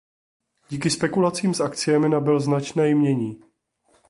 Díky spekulacím s akciemi nabyl značné jmění.